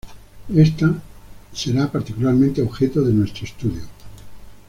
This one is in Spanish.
Ésta será particularmente objeto de nuestro estudio.